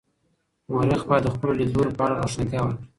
مورخ باید د خپلو لیدلورو په اړه روښانتیا ورکړي.